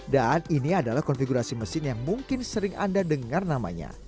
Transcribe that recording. dan ini adalah konfigurasi mesin yang mungkin sering anda dengar namanya